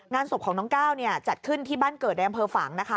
ศพของน้องก้าวจัดขึ้นที่บ้านเกิดในอำเภอฝังนะคะ